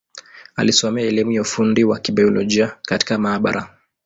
Alisomea elimu ya ufundi wa Kibiolojia katika maabara.